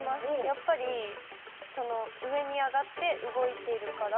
やっぱり上に上がって動いてるから。